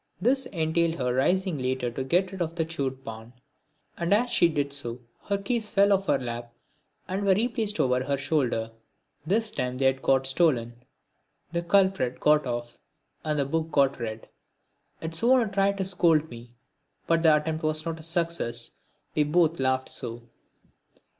This entailed her rising later on to get rid of the chewed pan, and, as she did so, her keys fell off her lap and were replaced over her shoulder. This time they got stolen, the culprit got off, and the book got read! Its owner tried to scold me, but the attempt was not a success, we both laughed so.